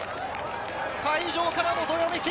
会場からのどよめき。